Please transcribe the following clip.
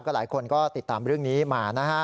หลายคนก็ติดตามเรื่องนี้มานะฮะ